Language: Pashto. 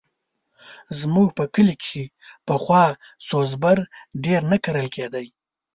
زموږ په کلي کښې پخوا سوز بر ډېر نه کرل کېدی.